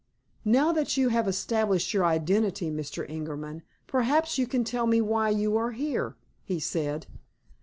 "Now that you have established your identity, Mr. Ingerman, perhaps you will tell me why you are here," he said.